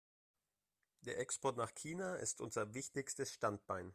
Der Export nach China ist unser wichtigstes Standbein.